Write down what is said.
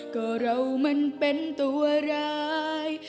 ก็เรามันเป็นตัวร้าย